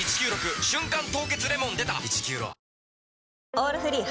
「オールフリー」